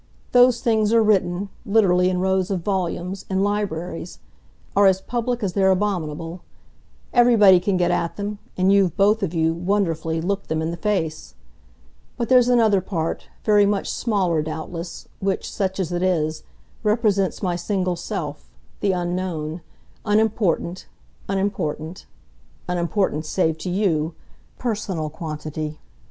Those things are written literally in rows of volumes, in libraries; are as public as they're abominable. Everybody can get at them, and you've, both of you, wonderfully, looked them in the face. But there's another part, very much smaller doubtless, which, such as it is, represents my single self, the unknown, unimportant, unimportant unimportant save to YOU personal quantity.